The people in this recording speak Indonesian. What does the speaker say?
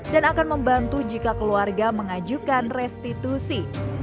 dan akan membantu jika keluarga mengajukan restitusi